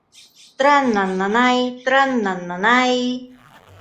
— Тра-на-най, тра-на-най...